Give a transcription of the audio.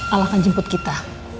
alahkan jemput kita